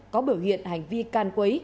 có biểu hiện hành vi can quấy